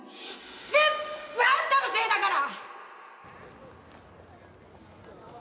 全部あんたのせいだから！